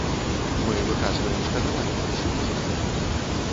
Мы выказваем шкадаванне ў сувязі з гэтым.